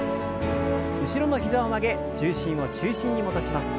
後ろの膝を曲げ重心を中心に戻します。